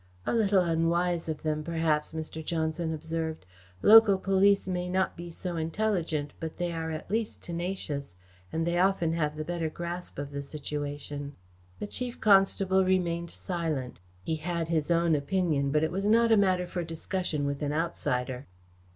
"A little unwise of them, perhaps," Mr. Johnson observed. "Local police may not be so intelligent, but they are at least tenacious, and they often have the better grasp of the situation." The Chief Constable remained silent. He had his own opinion, but it was not a matter for discussion with an outsider.